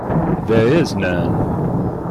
There is none.